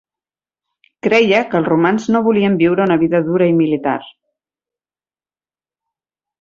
Creia que els romans no volien viure una vida dura i militar.